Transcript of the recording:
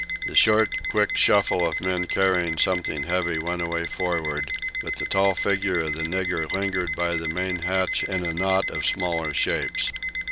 The short, quick shuffle of men carrying something heavy went away forward, but the tall figure of the nigger lingered by the main hatch in a knot of smaller shapes.